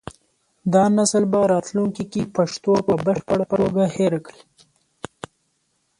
دا نسل به راتلونکي کې پښتو په بشپړه توګه هېره کړي.